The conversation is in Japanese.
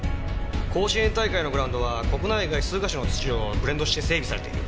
甲子園大会のグラウンドは国内外数か所の土をブレンドして整備されている。